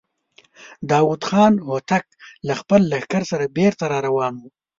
داوود خان هوتک له خپل لښکر سره بېرته را روان و.